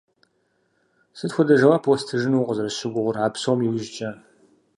Сыт хуэдэ жэуап уэстыжыну укъызэрысщыгугъыр а псом иужькӀэ?